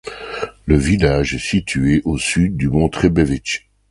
Le village est situé au sud du mont Trebević.